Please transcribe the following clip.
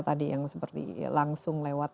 tadi yang seperti langsung lewat